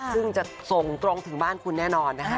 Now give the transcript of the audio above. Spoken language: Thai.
ซึ่งจะส่งตรงถึงบ้านคุณแน่นอนนะคะ